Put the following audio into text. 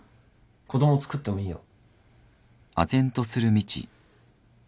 子供つくってもいいよ。